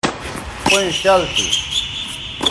پئیں شَل تھو